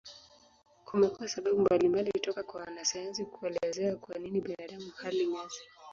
Kumekuwa sababu mbalimbali toka kwa wanasayansi kuelezea kwa nini binadamu hali nyasi.